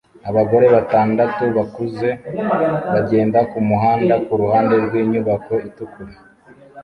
Abagore batandatu bakuze bagenda kumuhanda kuruhande rwinyubako itukura